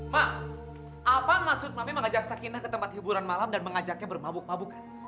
mak apa maksud name mengajak sakinah ke tempat hiburan malam dan mengajaknya bermabuk mabukan